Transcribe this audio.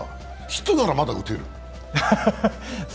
ヒットならまだ打てる？